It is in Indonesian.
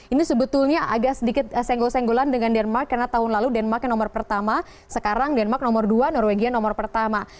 ini sebetulnya agak sedikit senggol senggolan dengan denmark karena tahun lalu denmark yang nomor pertama sekarang denmark nomor dua norwegia nomor pertama